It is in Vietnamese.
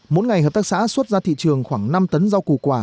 mỗi ngày hợp tác xã xuất ra thị trường khoảng năm tấn rau củ quả